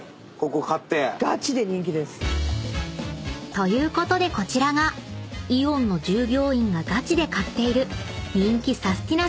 ［ということでこちらがイオンの従業員がガチで買っている人気サスティな！